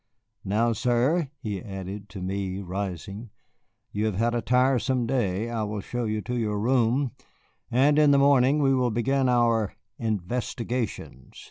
"Now, sir," he added to me, rising, "you have had a tiresome day. I will show you to your room, and in the morning we will begin our investigations."